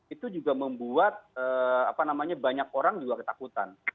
itu juga membuat banyak orang juga ketakutan